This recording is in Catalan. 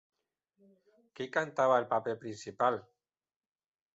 Qui cantava el paper principal?